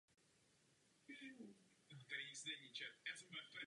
Vládní pracovní skupiny musí nyní pracovat ještě tvrději.